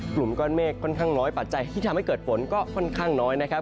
กลุ่มก้อนเมฆค่อนข้างน้อยปัจจัยที่ทำให้เกิดฝนก็ค่อนข้างน้อยนะครับ